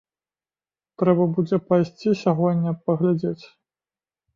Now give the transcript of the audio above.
Трэба будзе пайсці сягоння паглядзець.